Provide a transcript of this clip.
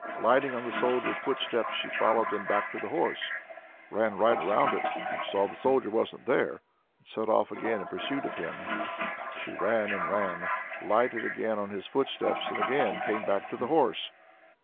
Lighting on the Soldier's footsteps she followed them back to the horse, ran right round it, saw the soldier wasn't there, and set off again in pursuit of him. She ran and ran, lighted again on his footsteps, and again came back to the horse.